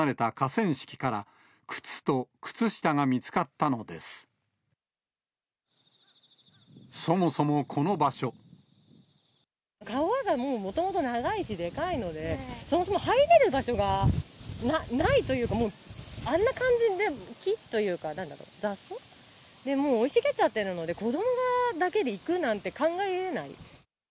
川がもう、もともと長いし、でかいので、そもそも入れる場所がないというか、もうあんな感じで、木というか、なんだろう、雑草でもう生い茂っちゃってるので、子どもだけで行くなんて、考えられない。